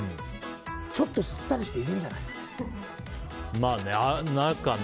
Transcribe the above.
ちょっとすったりして入れるんじゃないの？